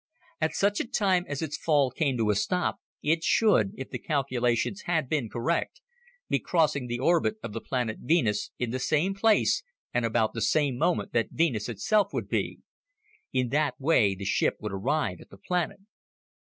At such a time as its fall came to a stop, it should, if the calculations had been correct, be crossing the orbit of the planet Venus in the same place and at about the same moment that Venus itself would be. In that way, the ship would arrive at the planet.